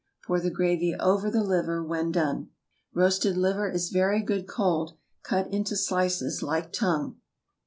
Pour the gravy over the liver when done. Roasted liver is very good cold, cut into slices like tongue.